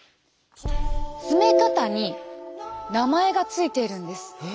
詰め方に名前が付いているんです。